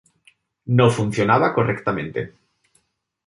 No funcionaba correctamente.